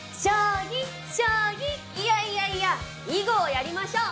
いやいやいや囲碁をやりましょう！